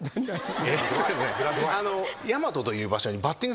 大和という場所に。